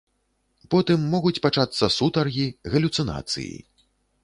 Потым могуць пачацца сутаргі, галюцынацыі.